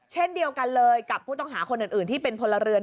เช่นเดียวกันเลยกับผู้ต้องหาคนอื่นที่เป็นพลเรือน